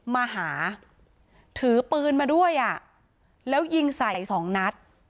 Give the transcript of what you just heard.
มาหาถือปืนมาด้วยอ่ะแล้วยิงใส่สองนัด